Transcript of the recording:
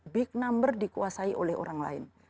big number dikuasai oleh orang lain